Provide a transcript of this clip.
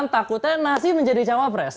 takutnya nasi menjadi cawapres